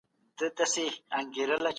دا لس افغانۍ دي.